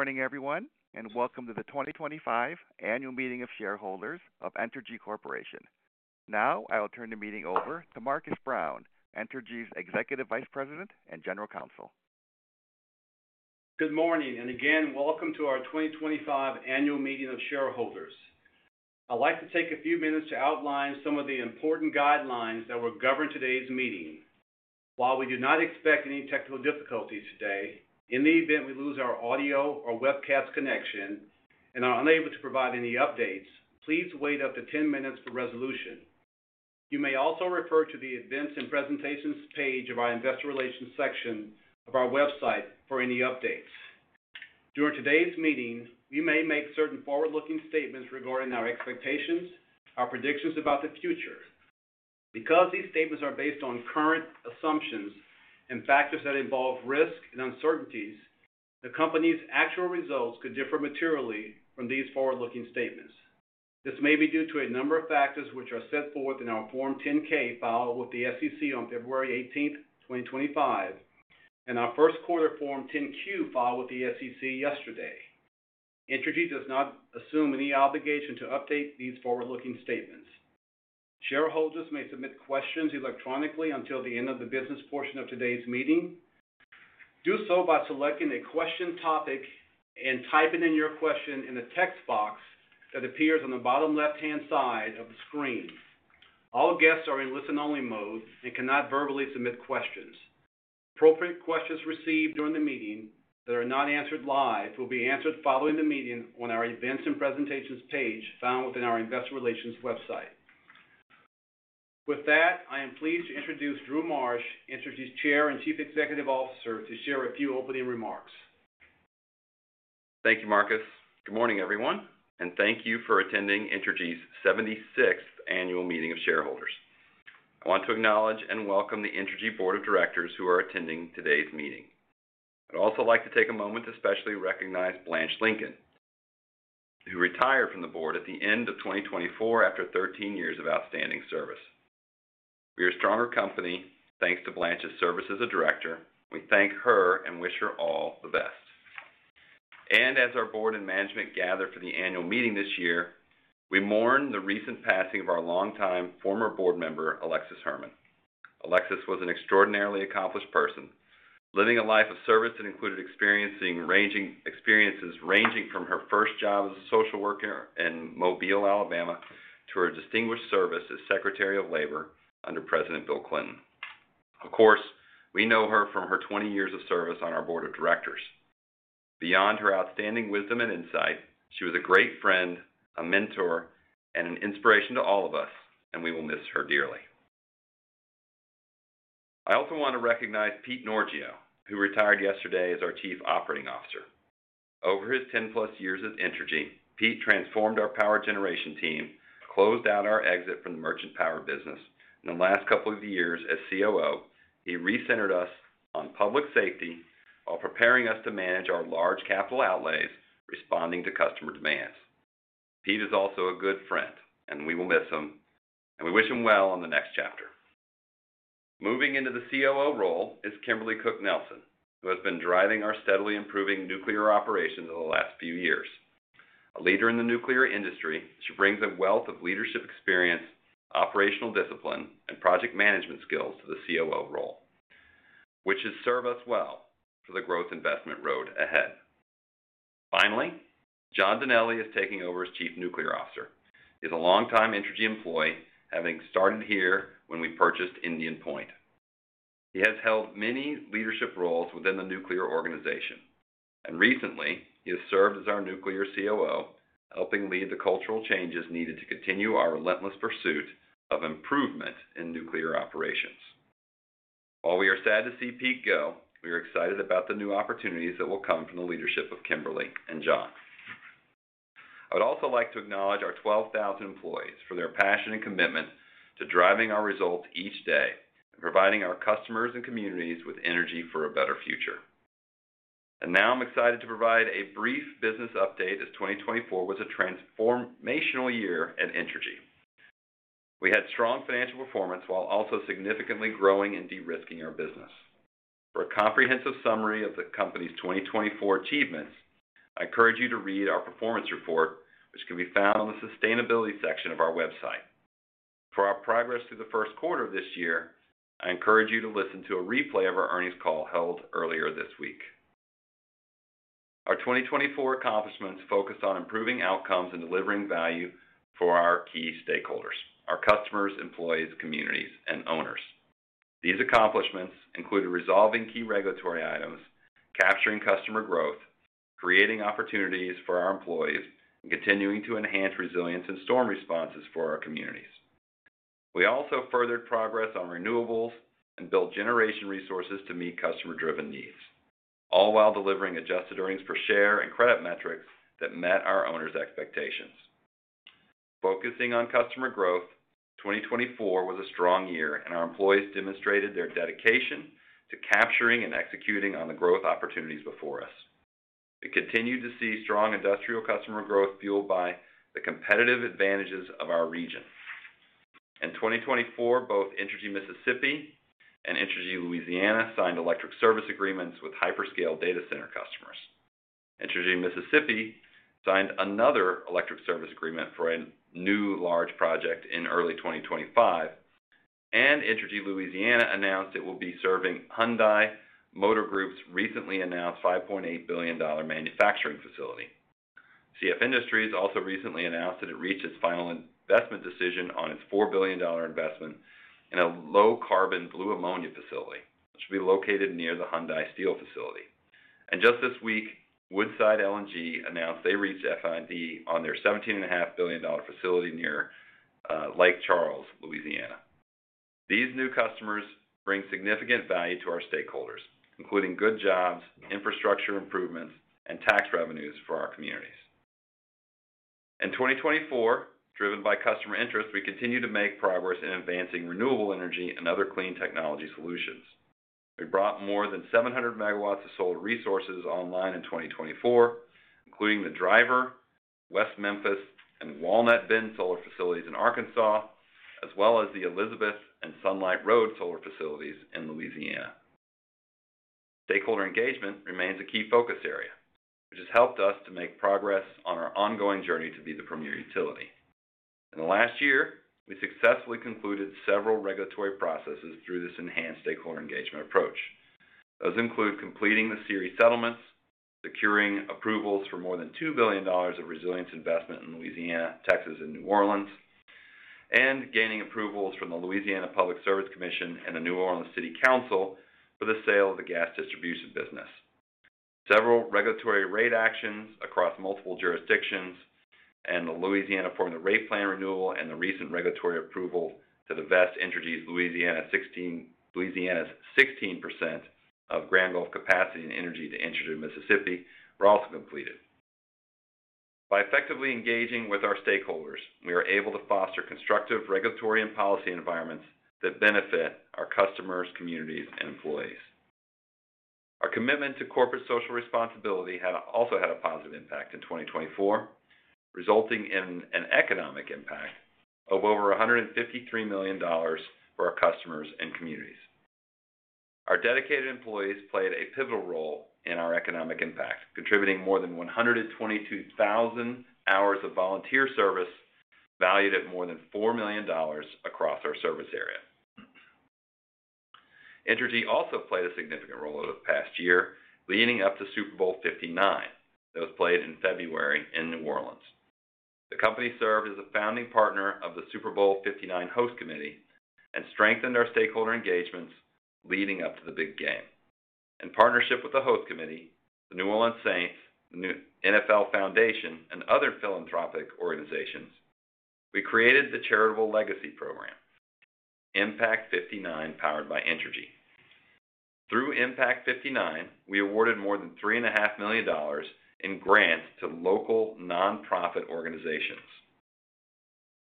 Morning, everyone, and welcome to the 2025 Annual Meeting of Shareholders of Entergy Corporation. Now, I'll turn the meeting over to Marcus Brown, Entergy's Executive Vice President and General Counsel. Good morning, and again, welcome to our 2025 Annual Meeting of Shareholders. I'd like to take a few minutes to outline some of the important guidelines that will govern today's meeting. While we do not expect any technical difficulties today, in the event we lose our audio or webcast connection and are unable to provide any updates, please wait up to 10 minutes for resolution. You may also refer to the Events and Presentations page of our Investor Relations section of our website for any updates. During today's meeting, we may make certain forward-looking statements regarding our expectations, our predictions about the future. Because these statements are based on current assumptions and factors that involve risk and uncertainties, the company's actual results could differ materially from these forward-looking statements. This may be due to a number of factors which are set forth in our Form 10-K filed with the SEC on February 18, 2025, and our first quarter Form 10-Q filed with the SEC yesterday. Entergy does not assume any obligation to update these forward-looking statements. Shareholders may submit questions electronically until the end of the business portion of today's meeting. Do so by selecting a question topic and typing in your question in the text box that appears on the bottom left-hand side of the screen. All guests are in listen-only mode and cannot verbally submit questions. Appropriate questions received during the meeting that are not answered live will be answered following the meeting on our Events and Presentations page found within our Investor Relations website. With that, I am pleased to introduce Drew Marsh, Entergy's Chair and Chief Executive Officer, to share a few opening remarks. Thank you, Marcus. Good morning, everyone, and thank you for attending Entergy's 76th Annual Meeting of Shareholders. I want to acknowledge and welcome the Entergy Board of Directors who are attending today's meeting. I'd also like to take a moment to specially recognize Blanche Lincoln, who retired from the board at the end of 2024 after 13 years of outstanding service. We are a stronger company thanks to Blanche's service as a director. We thank her and wish her all the best. As our board and management gather for the annual meeting this year, we mourn the recent passing of our longtime former board member, Alexis Herman. Alexis was an extraordinarily accomplished person, living a life of service that included experiences ranging from her first job as a social worker in Mobile, Alabama, to her distinguished service as Secretary of Labor under President Bill Clinton. Of course, we know her from her 20 years of service on our board of directors. Beyond her outstanding wisdom and insight, she was a great friend, a mentor, and an inspiration to all of us, and we will miss her dearly. I also want to recognize Pete Norgeot, who retired yesterday as our Chief Operating Officer. Over his 10+ years at Entergy, Pete transformed our power generation team, closed out our exit from the merchant power business, and in the last couple of years as COO, he recentered us on public safety while preparing us to manage our large capital outlays, responding to customer demands. Pete is also a good friend, and we will miss him, and we wish him well on the next chapter. Moving into the COO role is Kimberly Cook-Nelson, who has been driving our steadily improving nuclear operations in the last few years. A leader in the nuclear industry, she brings a wealth of leadership experience, operational discipline, and project management skills to the COO role, which should serve us well for the growth investment road ahead. Finally, John Dinelli is taking over as Chief Nuclear Officer. He is a longtime Entergy employee, having started here when we purchased Indian Point. He has held many leadership roles within the nuclear organization, and recently, he has served as our nuclear COO, helping lead the cultural changes needed to continue our relentless pursuit of improvement in nuclear operations. While we are sad to see Pete go, we are excited about the new opportunities that will come from the leadership of Kimberly and John. I would also like to acknowledge our 12,000 employees for their passion and commitment to driving our results each day and providing our customers and communities with energy for a better future. I am excited to provide a brief business update as 2024 was a transformational year at Entergy. We had strong financial performance while also significantly growing and de-risking our business. For a comprehensive summary of the company's 2024 achievements, I encourage you to read our performance report, which can be found in the sustainability section of our website. For our progress through the first quarter of this year, I encourage you to listen to a replay of our earnings call held earlier this week. Our 2024 accomplishments focused on improving outcomes and delivering value for our key stakeholders: our customers, employees, communities, and owners. These accomplishments included resolving key regulatory items, capturing customer growth, creating opportunities for our employees, and continuing to enhance resilience and storm responses for our communities. We also furthered progress on renewables and built generation resources to meet customer-driven needs, all while delivering adjusted earnings per share and credit metrics that met our owners' expectations. Focusing on customer growth, 2024 was a strong year, and our employees demonstrated their dedication to capturing and executing on the growth opportunities before us. We continued to see strong industrial customer growth fueled by the competitive advantages of our region. In 2024, both Entergy Mississippi and Entergy Louisiana signed electric service agreements with hyperscale data center customers. Entergy Mississippi signed another electric service agreement for a new large project in early 2025, and Entergy Louisiana announced it will be serving Hyundai Motor Group's recently announced $5.8 billion manufacturing facility. CF Industries also recently announced that it reached its final investment decision on its $4 billion investment in a low-carbon blue ammonia facility which will be located near the Hyundai Steel facility. Just this week, Woodside LNG announced they reached FID on their $17.5 billion facility near Lake Charles, Louisiana. These new customers bring significant value to our stakeholders, including good jobs, infrastructure improvements, and tax revenues for our communities. In 2024, driven by customer interest, we continue to make progress in advancing renewable energy and other clean technology solutions. We brought more than 700 MW of solar resources online in 2024, including the Driver, West Memphis, and Walnut Bend solar facilities in Arkansas, as well as the Elizabeth and Sunlight Road solar facilities in Louisiana. Stakeholder engagement remains a key focus area, which has helped us to make progress on our ongoing journey to be the premier utility. In the last year, we successfully concluded several regulatory processes through this enhanced stakeholder engagement approach. Those include completing the SERI settlements, securing approvals for more than $2 billion of resilience investment in Louisiana, Texas, and New Orleans, and gaining approvals from the Louisiana Public Service Commission and the New Orleans City Council for the sale of the gas distribution business. Several regulatory rate actions across multiple jurisdictions and the Louisiana Formula Rate Plan renewal and the recent regulatory approval to divest Entergy Louisiana's 16% of Grand Gulf capacity and energy to Entergy Mississippi were also completed. By effectively engaging with our stakeholders, we are able to foster constructive regulatory and policy environments that benefit our customers, communities, and employees. Our commitment to corporate social responsibility also had a positive impact in 2024, resulting in an economic impact of over $153 million for our customers and communities. Our dedicated employees played a pivotal role in our economic impact, contributing more than 122,000 hours of volunteer service valued at more than $4 million across our service area. Entergy also played a significant role over the past year, leading up to Super Bowl LIX that was played in February in New Orleans. The company served as a founding partner of the Super Bowl LIX host committee and strengthened our stakeholder engagements leading up to the big game. In partnership with the host committee, the New Orleans Saints, the NFL Foundation, and other philanthropic organizations, we created the Charitable Legacy Program, Impact 59, powered by Entergy. Through Impact 59, we awarded more than $3.5 million in grants to local nonprofit organizations.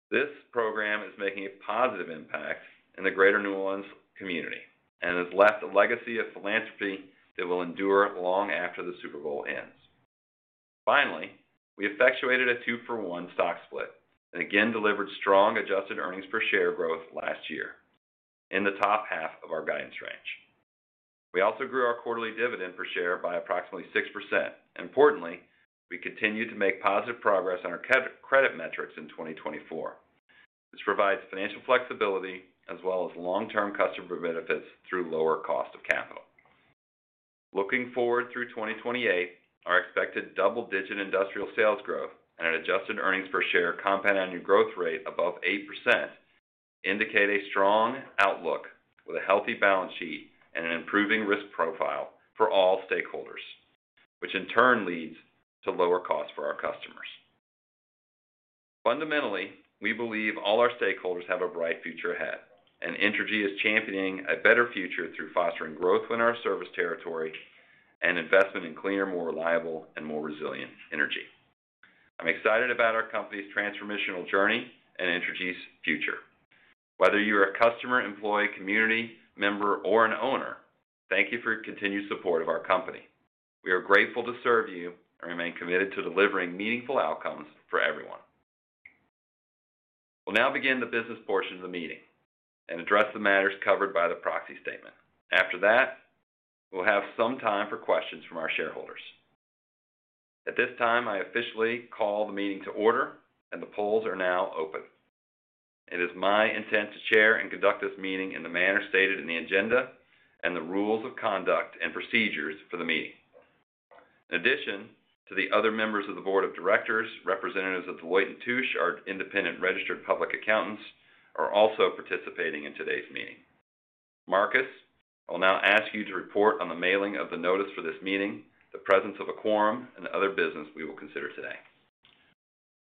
This program is making a positive impact in the greater New Orleans community and has left a legacy of philanthropy that will endure long after the Super Bowl ends. Finally, we effectuated a two-for-one stock split and again delivered strong adjusted earnings per share growth last year in the top half of our guidance range. We also grew our quarterly dividend per share by approximately 6%. Importantly, we continue to make positive progress on our credit metrics in 2024. This provides financial flexibility as well as long-term customer benefits through lower cost of capital. Looking forward through 2028, our expected double-digit industrial sales growth and an adjusted earnings per share compound annual growth rate above 8% indicate a strong outlook with a healthy balance sheet and an improving risk profile for all stakeholders, which in turn leads to lower costs for our customers. Fundamentally, we believe all our stakeholders have a bright future ahead, and Entergy is championing a better future through fostering growth in our service territory and investment in cleaner, more reliable, and more resilient energy. I'm excited about our company's transformational journey and Entergy's future. Whether you are a customer, employee, community member, or an owner, thank you for your continued support of our company. We are grateful to serve you and remain committed to delivering meaningful outcomes for everyone. We'll now begin the business portion of the meeting and address the matters covered by the proxy statement. After that, we'll have some time for questions from our shareholders. At this time, I officially call the meeting to order, and the polls are now open. It is my intent to chair and conduct this meeting in the manner stated in the agenda and the rules of conduct and procedures for the meeting. In addition to the other members of the board of directors, representatives of Deloitte and Touche are independent registered public accountants who are also participating in today's meeting. Marcus, I will now ask you to report on the mailing of the notice for this meeting, the presence of a quorum, and other business we will consider today.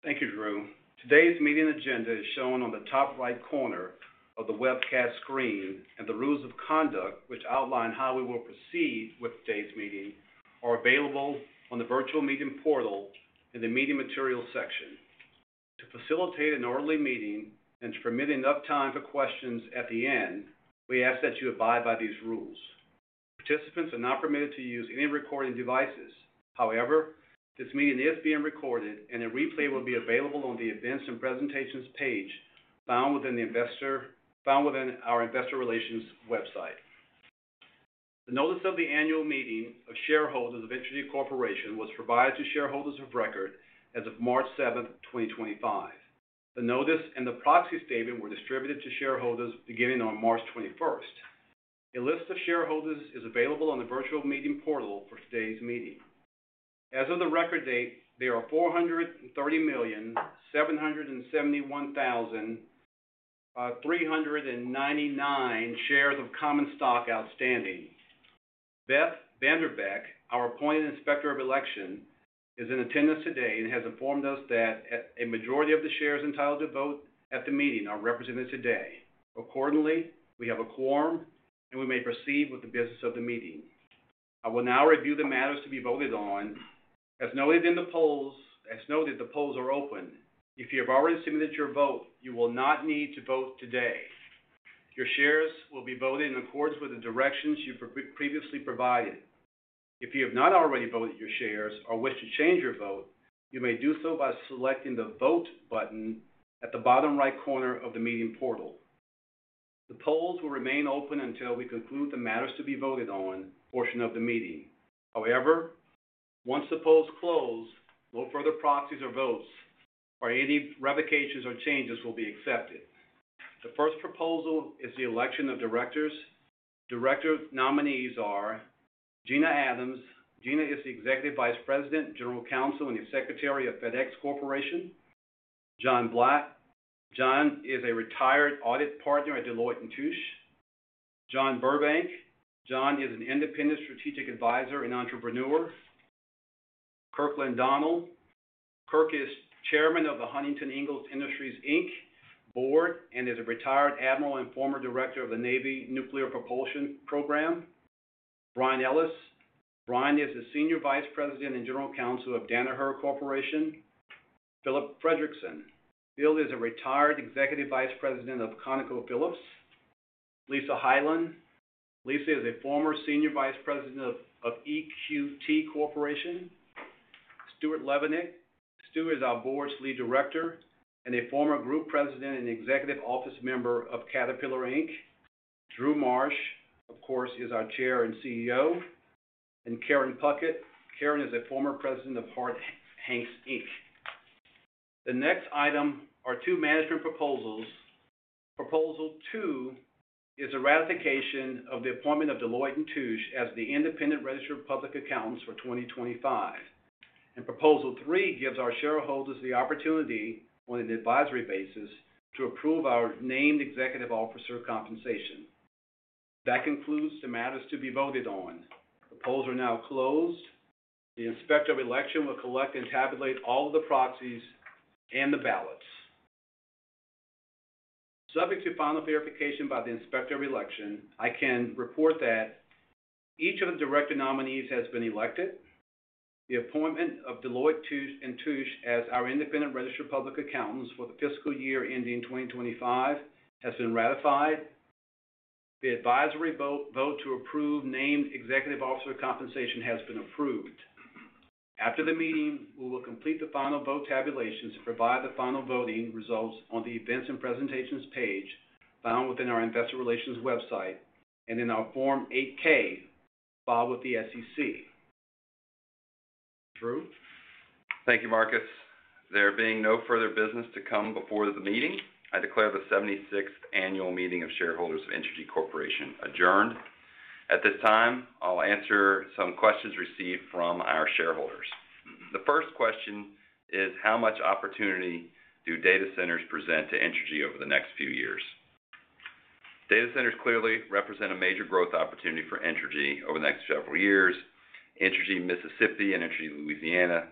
Thank you, Drew. Today's meeting agenda is shown on the top right corner of the webcast screen, and the rules of conduct, which outline how we will proceed with today's meeting, are available on the virtual meeting portal in the meeting materials section. To facilitate an orderly meeting and to permit enough time for questions at the end, we ask that you abide by these rules. Participants are not permitted to use any recording devices. However, this meeting is being recorded, and a replay will be available on the events and presentations page found within our investor relations website. The notice of the annual meeting of shareholders of Entergy Corporation was provided to shareholders of record as of March 7th, 2025. The notice and the proxy statement were distributed to shareholders beginning on March 21st. A list of shareholders is available on the virtual meeting portal for today's meeting. As of the record date, there are 430,771,399 shares of common stock outstanding. Beth Vanderbeck, our appointed inspector of election, is in attendance today and has informed us that a majority of the shares entitled to vote at the meeting are represented today. Accordingly, we have a quorum, and we may proceed with the business of the meeting. I will now review the matters to be voted on. As noted in the polls, the polls are open. If you have already submitted your vote, you will not need to vote today. Your shares will be voted in accordance with the directions you previously provided. If you have not already voted your shares or wish to change your vote, you may do so by selecting the vote button at the bottom right corner of the meeting portal. The polls will remain open until we conclude the matters to be voted on portion of the meeting. However, once the polls close, no further proxies or votes or any revocations or changes will be accepted. The first proposal is the election of directors. Director nominees are Gina Adams. Gina is the executive vice president, general counsel, and secretary of FedEx Corporation. John Black. John is a retired audit partner at Deloitte and Touche. John Burbank. John is an independent strategic advisor and entrepreneur. Kirkland Donald. Kirk is chairman of the Huntington Ingalls Industries board and is a retired admiral and former director of the Navy Nuclear Propulsion Program. Brian Ellis. Brian is the senior vice president and general counsel of Danaher Corporation. Philip Frederickson. Phil is a retired executive vice president of ConocoPhillips. Elise Hyland. Elise is a former senior vice president of EQT Corporation. Stuart Levenick. Stuart is our board's lead director and a former group president and executive office member of Caterpillar Inc. Drew Marsh, of course, is our chair and CEO. Karen Puckett, Karen is a former president of Harte Hanks Inc. The next item are two management proposals. Proposal two is the ratification of the appointment of Deloitte and Touche as the independent registered public accountants for 2025. Proposal three gives our shareholders the opportunity, on an advisory basis, to approve our named executive officer compensation. That concludes the matters to be voted on. The polls are now closed. The inspector of election will collect and tabulate all of the proxies and the ballots. Subject to final verification by the inspector of election, I can report that each of the director nominees has been elected. The appointment of Deloitte and Touche as our independent registered public accountants for the fiscal year ending 2025 has been ratified. The advisory vote to approve named executive officer compensation has been approved. After the meeting, we will complete the final vote tabulations and provide the final voting results on the events and presentations page found within our investor relations website and in our Form 8K, filed with the SEC. Drew? Thank you, Marcus. There being no further business to come before the meeting, I declare the 76th annual meeting of shareholders of Entergy Corporation adjourned. At this time, I'll answer some questions received from our shareholders. The first question is, how much opportunity do data centers present to Entergy over the next few years? Data centers clearly represent a major growth opportunity for Entergy over the next several years. Entergy Mississippi and Entergy Louisiana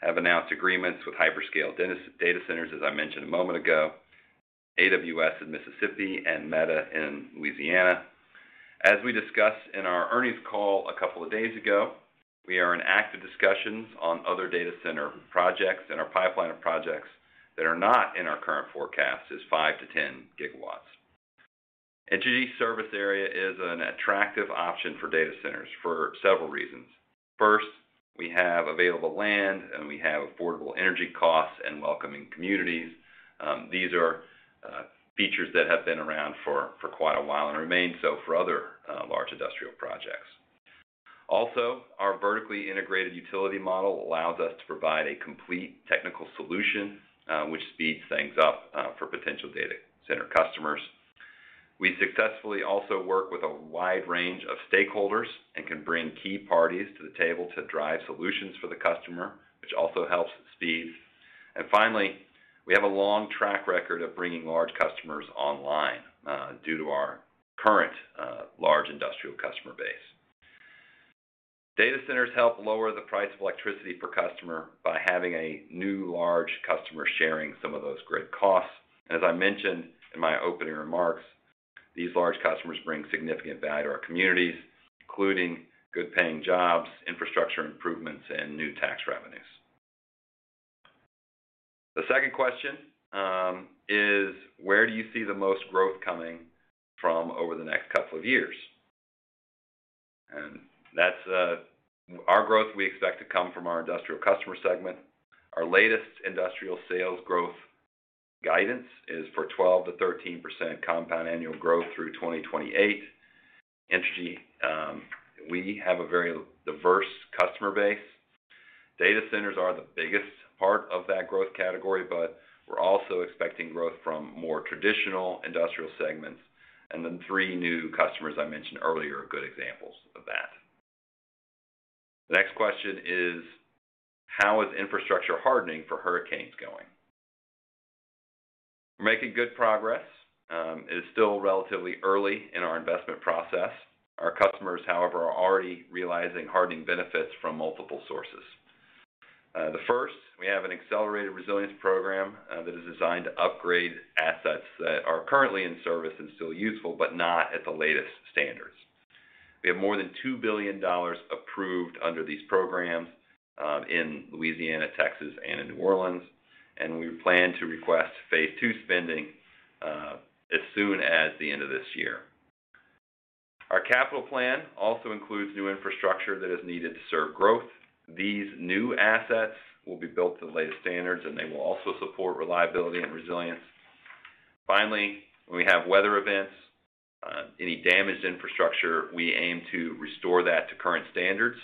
have announced agreements with hyperscale data centers, as I mentioned a moment ago, AWS in Mississippi and Meta in Louisiana. As we discussed in our earnings call a couple of days ago, we are in active discussions on other data center projects and our pipeline of projects that are not in our current forecast is 5-10 gigawatts. Entergy's service area is an attractive option for data centers for several reasons. First, we have available land, and we have affordable energy costs and welcoming communities. These are features that have been around for quite a while and remain so for other large industrial projects. Also, our vertically integrated utility model allows us to provide a complete technical solution, which speeds things up for potential data center customers. We successfully also work with a wide range of stakeholders and can bring key parties to the table to drive solutions for the customer, which also helps speed things up. Finally, we have a long track record of bringing large customers online due to our current large industrial customer base. Data centers help lower the price of electricity per customer by having a new large customer sharing some of those grid costs. As I mentioned in my opening remarks, these large customers bring significant value to our communities, including good-paying jobs, infrastructure improvements, and new tax revenues. The second question is, where do you see the most growth coming from over the next couple of years? That is our growth we expect to come from our industrial customer segment. Our latest industrial sales growth guidance is for 12%-13% compound annual growth through 2028. At Entergy, we have a very diverse customer base. Data centers are the biggest part of that growth category, but we are also expecting growth from more traditional industrial segments. The three new customers I mentioned earlier are good examples of that. The next question is, how is infrastructure hardening for hurricanes going? We are making good progress. It is still relatively early in our investment process. Our customers, however, are already realizing hardening benefits from multiple sources. The first, we have an accelerated resilience program that is designed to upgrade assets that are currently in service and still useful, but not at the latest standards. We have more than $2 billion approved under these programs in Louisiana, Texas, and in New Orleans, and we plan to request phase two spending as soon as the end of this year. Our capital plan also includes new infrastructure that is needed to serve growth. These new assets will be built to the latest standards, and they will also support reliability and resilience. Finally, when we have weather events, any damaged infrastructure, we aim to restore that to current standards,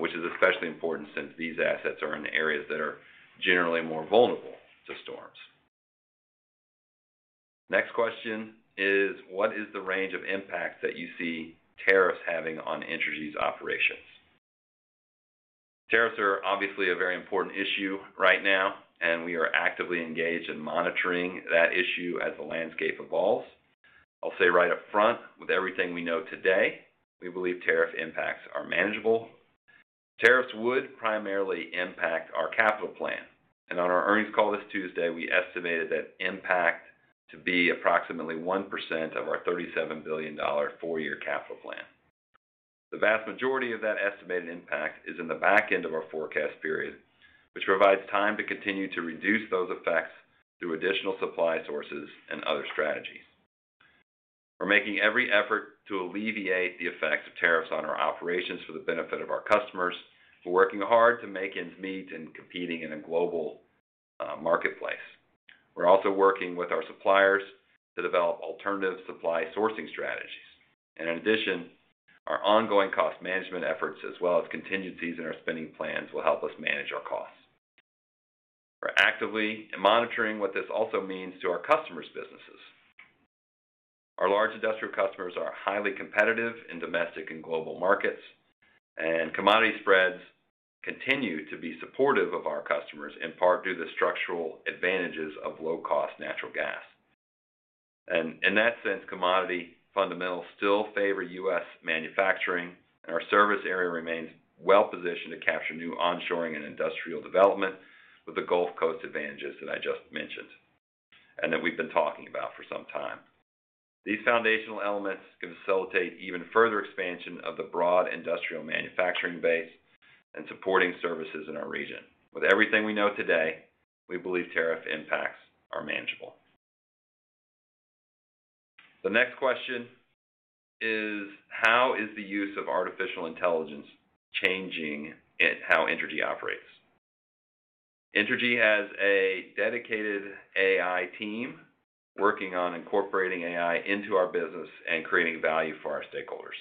which is especially important since these assets are in areas that are generally more vulnerable to storms. Next question is, what is the range of impact that you see tariffs having on Entergy's operations? Tariffs are obviously a very important issue right now, and we are actively engaged in monitoring that issue as the landscape evolves. I'll say right up front, with everything we know today, we believe tariff impacts are manageable. Tariffs would primarily impact our capital plan. On our earnings call this Tuesday, we estimated that impact to be approximately 1% of our $37 billion four-year capital plan. The vast majority of that estimated impact is in the back end of our forecast period, which provides time to continue to reduce those effects through additional supply sources and other strategies. We're making every effort to alleviate the effects of tariffs on our operations for the benefit of our customers. We're working hard to make ends meet and competing in a global marketplace. We're also working with our suppliers to develop alternative supply sourcing strategies. In addition, our ongoing cost management efforts, as well as contingencies in our spending plans, will help us manage our costs. We're actively monitoring what this also means to our customers' businesses. Our large industrial customers are highly competitive in domestic and global markets, and commodity spreads continue to be supportive of our customers, in part due to the structural advantages of low-cost natural gas. In that sense, commodity fundamentals still favor U.S. manufacturing, and our service area remains well-positioned to capture new onshoring and industrial development with the Gulf Coast advantages that I just mentioned and that we've been talking about for some time. These foundational elements can facilitate even further expansion of the broad industrial manufacturing base and supporting services in our region. With everything we know today, we believe tariff impacts are manageable. The next question is, how is the use of artificial intelligence changing how Entergy operates? Entergy has a dedicated AI team working on incorporating AI into our business and creating value for our stakeholders.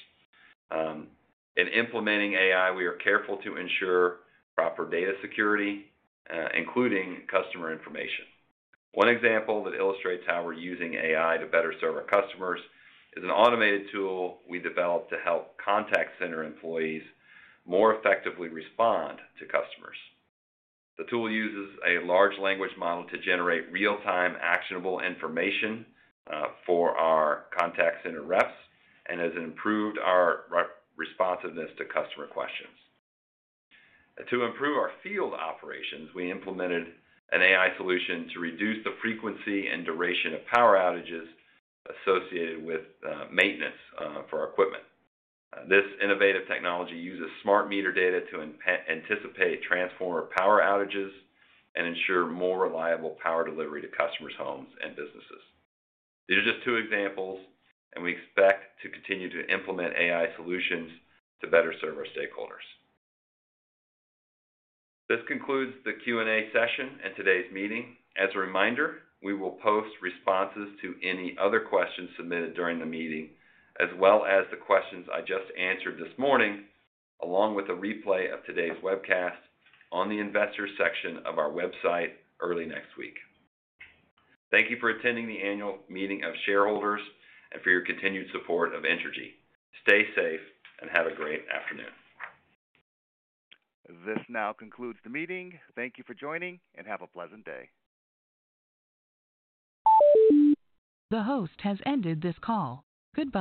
In implementing AI, we are careful to ensure proper data security, including customer information. One example that illustrates how we're using AI to better serve our customers is an automated tool we developed to help contact center employees more effectively respond to customers. The tool uses a large language model to generate real-time actionable information for our contact center reps and has improved our responsiveness to customer questions. To improve our field operations, we implemented an AI solution to reduce the frequency and duration of power outages associated with maintenance for our equipment. This innovative technology uses smart meter data to anticipate transformer power outages and ensure more reliable power delivery to customers' homes and businesses. These are just two examples, and we expect to continue to implement AI solutions to better serve our stakeholders. This concludes the Q&A session and today's meeting. As a reminder, we will post responses to any other questions submitted during the meeting, as well as the questions I just answered this morning, along with a replay of today's webcast on the investor section of our website early next week. Thank you for attending the annual meeting of shareholders and for your continued support of Entergy. Stay safe and have a great afternoon. This now concludes the meeting. Thank you for joining and have a pleasant day. The host has ended this call. Goodbye.